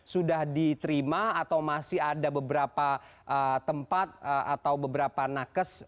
sudah diterima atau masih ada beberapa tempat atau beberapa nakes